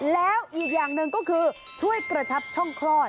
แล้วอีกอย่างหนึ่งก็คือช่วยกระชับช่องคลอด